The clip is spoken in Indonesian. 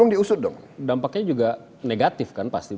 dampaknya juga negatif kan pasti